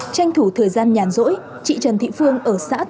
tranh thủ thời gian nhàn rỗi chị trần thị phương ở xã thịnh phương